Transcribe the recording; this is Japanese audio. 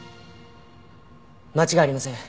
間違いありません。